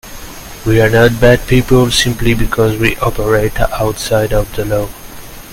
We are not bad people simply because we operate outside of the law.